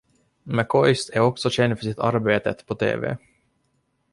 McCoist är också känd för sitt arbetet på TV.